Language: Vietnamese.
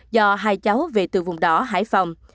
do hai cháu về từ vùng đỏ hải phòng